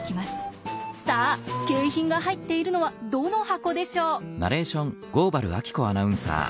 さあ景品が入っているのはどの箱でしょう？